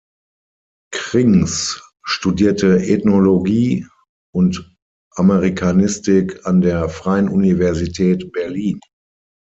Krings studierte Ethnologie und Amerikanistik an der Freien Universität Berlin.